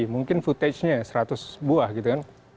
mungkin footage nya seratus buah gitu kan